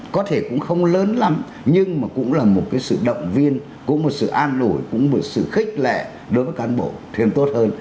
có thể cũng không lớn lắm nhưng mà cũng là một cái sự động viên cũng một sự an nổi cũng một sự khích lệ đối với cán bộ thêm tốt hơn